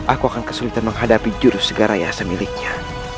aku akan kesulitan menghadapi jurus segar ayasa miliknya